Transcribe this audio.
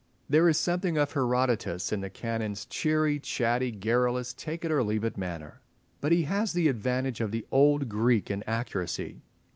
There is something of Herodotus in the Canon's cheery, chatty, garrulous, take it or leave it manner. But he has the advantage of the old Greek in accuracy.